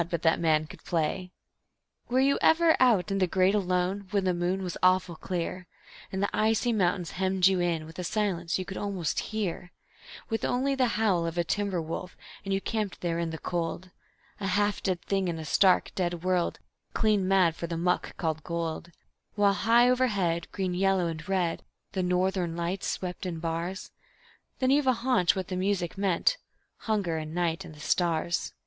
but that man could play. Were you ever out in the Great Alone, when the moon was awful clear, And the icy mountains hemmed you in with a silence you most could HEAR; With only the howl of a timber wolf, and you camped there in the cold, A half dead thing in a stark, dead world, clean mad for the muck called gold; While high overhead, green, yellow and red, the North Lights swept in bars? Then you've a haunch what the music meant... hunger and night and the stars.